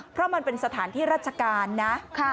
เพราะมันเป็นสถานที่ราชการนะ